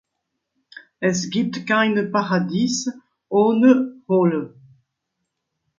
Es gibt keine Paradies ohne Hölle.